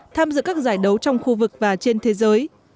tham dự các giải đấu trong khu vực và trên thế giới